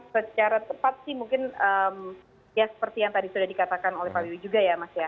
secara tepat sih mungkin ya seperti yang tadi sudah dikatakan oleh pak wiwi juga ya mas ya